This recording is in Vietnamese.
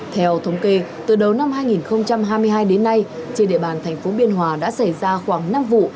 theo thống kê từ đầu năm hai nghìn hai mươi hai đến nay trên địa bàn thành phố biên hòa đã xảy ra khoảng năm vụ